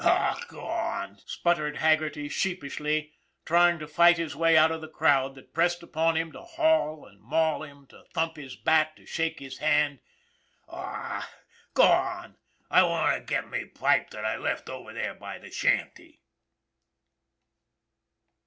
" Aw, gwan !" sputtered Haggerty sheepishly, try ing to fight his way out of the crowd that pressed upon him to haul and maul him, to thump his back, to shake his hand. " Aw, gwan ! I wanter get me pipe that I left over by the shanty."